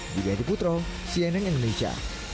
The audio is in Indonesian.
di dedy putro cnn indonesia